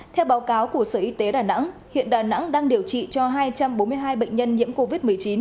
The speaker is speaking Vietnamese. theo báo cáo của sở y tế đà nẵng hiện đà nẵng đang điều trị cho hai trăm bốn mươi hai bệnh nhân nhiễm covid một mươi chín